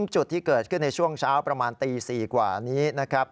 จุดที่เกิดขึ้นในช่วงเช้าประมาณตี๔กว่านี้นะครับ